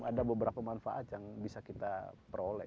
ada beberapa manfaat yang bisa kita peroleh